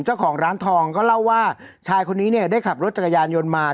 เจ้าของร้านทองก็เล่าว่าชายคนนี้เนี่ยได้ขับรถจักรยานยนต์มา